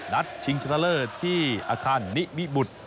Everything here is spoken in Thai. นัดชิงชะตะเลอร์ที่การ์นนิมิบุท